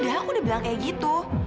padahal aku udah bilang kayak gitu